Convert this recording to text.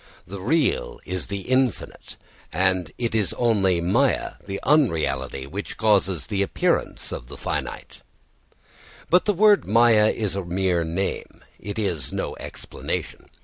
The real is the infinite, and it is only māyā, the unreality, which causes the appearance of the finite. But the word māyā is a mere name, it is no explanation.